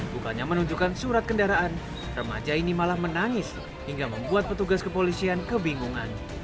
bukannya menunjukkan surat kendaraan remaja ini malah menangis hingga membuat petugas kepolisian kebingungan